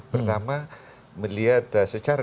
pertama melihat secara